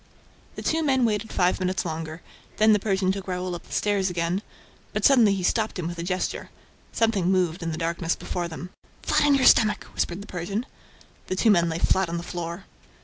" The two men waited five minutes longer. Then the Persian took Raoul up the stairs again; but suddenly he stopped him with a gesture. Something moved in the darkness before them. "Flat on your stomach!" whispered the Persian. The two men lay flat on the floor.